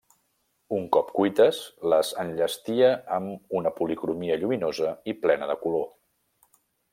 Un cop cuites, les enllestia amb una policromia lluminosa i plena de color.